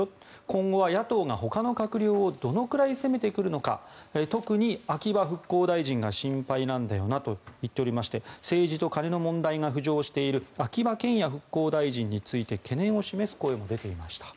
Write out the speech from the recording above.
今後は野党がほかの閣僚をどのくらい攻めてくるのか特に秋葉復興大臣が心配なんだよなと言っておりまして政治と金の問題が浮上している秋葉賢也復興大臣について懸念を示す声も出ていました。